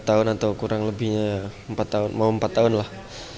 saya punya empat tahun mau empat tahun lah